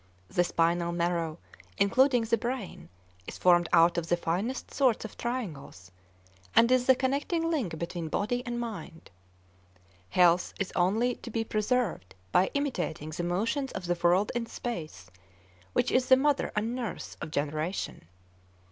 The spinal marrow, including the brain, is formed out of the finest sorts of triangles, and is the connecting link between body and mind. Health is only to be preserved by imitating the motions of the world in space, which is the mother and nurse of generation.